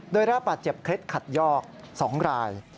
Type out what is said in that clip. โดยระบาดเจ็บเคล็ดขัดยอก๒ราย